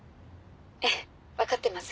ええわかってます。